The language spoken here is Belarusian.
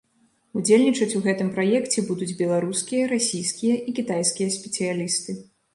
Удзельнічаць у гэтым праекце будуць беларускія, расійскія і кітайскія спецыялісты.